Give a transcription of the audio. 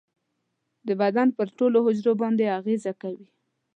د بدن پر ټولو حجرو باندې اغیزه کوي.